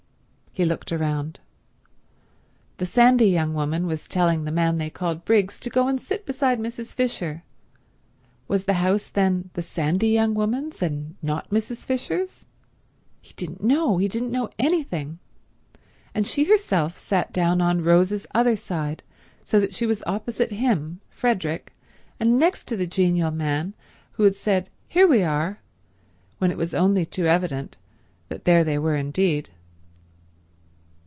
He looked round. The sandy young woman was telling the man they called Briggs to go and sit beside Mrs. Fisher—was the house, then, the sandy young woman's and not Mrs. Fisher's? He didn't know; he didn't know anything—and she herself sat down on Rose's other side, so that she was opposite him, Frederick, and next to the genial man who had said "Here we are," when it was only too evident that there they were indeed.